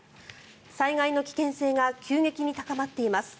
災害の危険性が急激に高まっています。